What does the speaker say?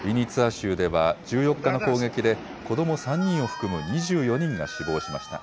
州では１４日の攻撃で、子ども３人を含む２４人が死亡しました。